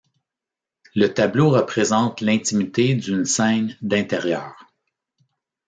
Le tableau représente l'intimité d'une scène d'intérieur.